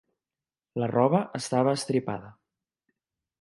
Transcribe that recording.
La roba estava estripada.